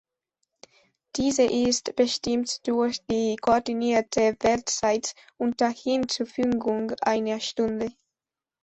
Diese ist bestimmt durch die koordinierte Weltzeit unter Hinzufügung einer Stunde.